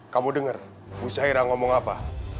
kamu denger ibu saira ngomong apa